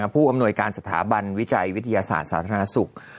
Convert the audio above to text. ผู้อำนวยการสถาบันวิจัยวิทยาศาสตร์สาธารณสุข